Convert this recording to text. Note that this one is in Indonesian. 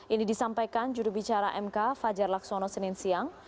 ini disampaikan jurubicara mk fajar laksono senin siang